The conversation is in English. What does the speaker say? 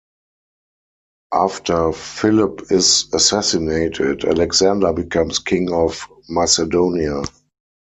After Philip is assassinated, Alexander becomes King of Macedonia.